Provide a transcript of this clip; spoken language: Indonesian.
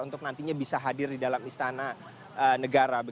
untuk nantinya bisa hadir di dalam istana negara